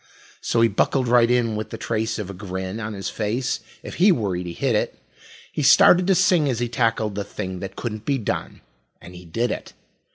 So he buckled right in with the trace of a grin On his face. If he worried he hid it. He started to sing as he tackled the thing That couldn't be done, and he did it.